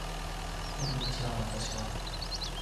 こんにちは私は